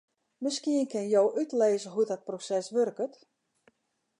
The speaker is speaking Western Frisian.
Miskien kinne jo útlizze hoe't dat proses wurket?